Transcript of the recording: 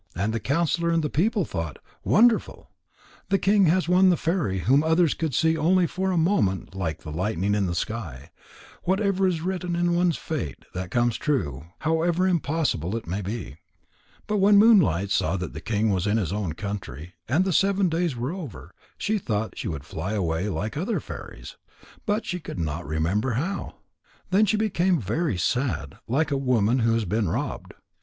And the counsellor and the people thought: "Wonderful! The king has won the fairy whom others could see only for a moment like the lightning in the sky. Whatever is written in one's fate, that comes true, however impossible it may be." But when Moonlight saw that the king was in his own country, and the seven days were over, she thought she would fly away like other fairies. But she could not remember how. Then she became very sad, like a woman who has been robbed.